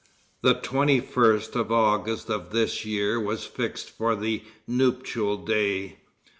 The 21st of August of this year was fixed for the nuptial day.